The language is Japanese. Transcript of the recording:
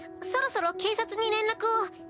そろそろ警察に連絡を。